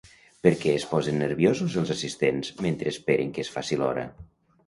Per què es posen nerviosos els assistents mentre esperen que es faci l'hora?